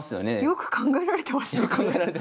よく考えられてますねこれ。